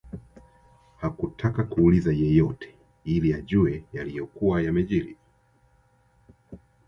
Hakutaka kuuliza yeyote ili ajue yaliyokuwa yamejiri